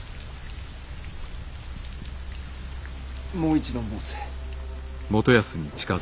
もう一度申せ。